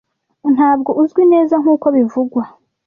ntabwo uzwi neza nkuko bivugwa